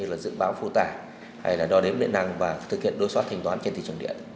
như dự báo phu tả đo đếm điện năng và thực hiện đối soát hình toán trên thị trường điện